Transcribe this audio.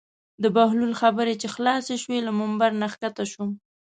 د بهلول خبرې چې خلاصې شوې له ممبر نه کښته شو.